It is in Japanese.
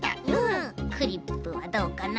クリップはどうかな？